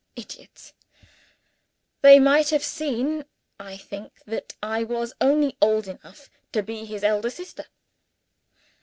Idiots! They might have seen, I think, that I was only old enough to be his elder sister.